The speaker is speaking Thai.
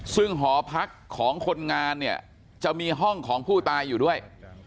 ซึ่งหอพักของคนงานเนี่ยจะมีห้องของผู้ตายอยู่ด้วย